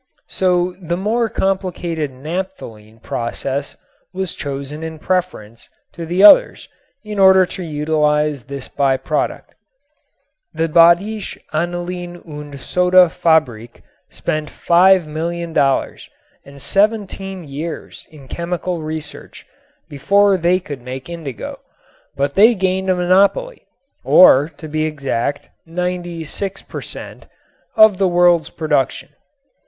So the more complicated napthalene process was chosen in preference to the others in order to utilize this by product. The Badische Anilin und Soda Fabrik spent $5,000,000 and seventeen years in chemical research before they could make indigo, but they gained a monopoly (or, to be exact, ninety six per cent.) of the world's production.